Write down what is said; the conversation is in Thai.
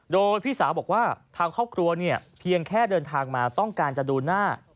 โดยพี่สาวบอกว่าทางครอบครัวเนี่ยเพียงแค่เดินทางมาต้องการจะดูหน้า